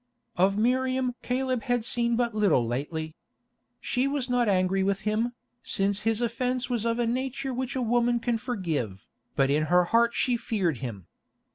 Of Miriam Caleb had seen but little lately. She was not angry with him, since his offence was of a nature which a woman can forgive, but in her heart she feared him.